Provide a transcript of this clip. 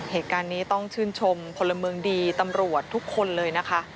เหตุการณ์นี้ต้องชื่นชมพลเมืองดีตำรวจทุกคนเลยนะคะ